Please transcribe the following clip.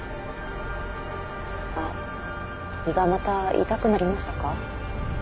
あっ胃がまた痛くなりましたか？